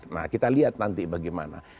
nah kita lihat nanti bagaimana